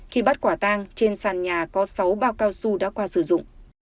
khi bắt quả tang trên sàn nhà có sáu bao cao su đã qua sử dụng